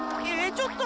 ちょっと！